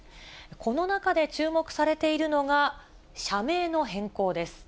この中で注目されているのが、社名の変更です。